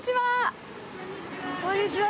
こんにちは！